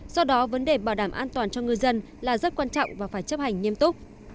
do đó vấn đề bảo đảm an toàn cho ngư dân là rất quan trọng và phải chấp hành nghiêm túc